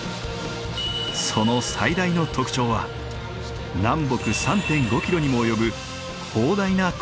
その最大の特徴は南北３．５キロにも及ぶ広大な高層湿原。